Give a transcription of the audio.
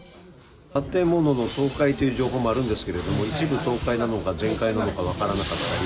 建物の倒壊という情報もあるんですが一部倒壊なのか全壊なのか分からなかったり